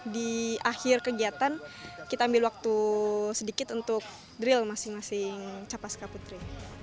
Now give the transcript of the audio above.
di akhir kegiatan kita ambil waktu sedikit untuk drill masing masing capaska putri